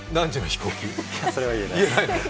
それは言えないです。